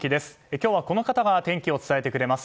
今日は、この方が天気を伝えてくれます。